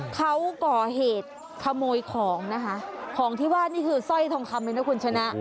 เขาก่อเหตุขโมยของนะคะของที่ว่านี่คือสร้อยทองคำเลยนะคุณชนะ